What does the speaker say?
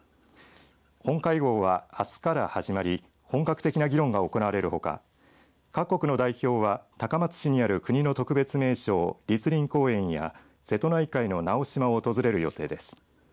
本会合はあすから始まり本格的な議論が行われるほか各国の代表は高松市にある国の特別名勝栗林公園や瀬戸内海の直島も訪れる予定です。